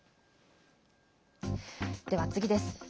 では次です。